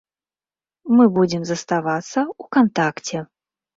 Мы будзем заставацца ў кантакце.